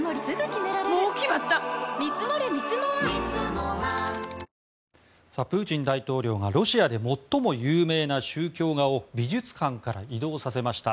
宗教画を移動しプーチン大統領がロシアで最も有名な宗教画を美術館から移動させました。